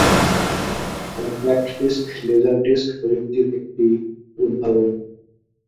Compact disc laser disc প্রযুক্তির একটি উদ্ভাবন।